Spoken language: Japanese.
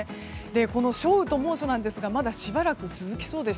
少雨と猛暑なんですがまだしばらく続きそうです。